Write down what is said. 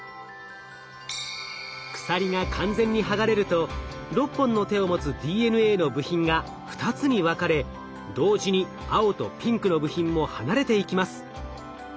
鎖が完全に剥がれると６本の手を持つＤＮＡの部品が２つに分かれ同時に青とピンクの部品も離れていきます。